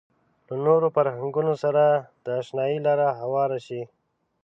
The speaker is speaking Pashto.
له نورو فرهنګونو سره د اشنايي لاره هواره شي.